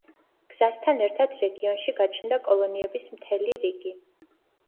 გზასთან ერთად რეგიონში გაჩნდა კოლონიების მთელი რიგი.